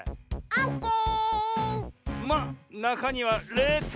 オッケー。